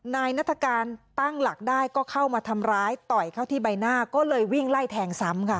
นายนัฐกาลตั้งหลักได้ก็เข้ามาทำร้ายต่อยเข้าที่ใบหน้าก็เลยวิ่งไล่แทงซ้ำค่ะ